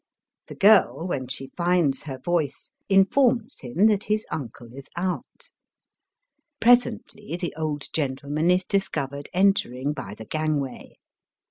The girl, when she finds her voice, informs him that his uncle is out. Presently the old gentleman is discovered entering by the gang way.